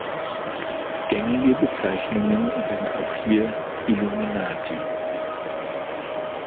Gängige Bezeichnungen sind auch hier "Illuminati.